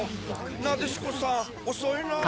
なでしこさんおそいな。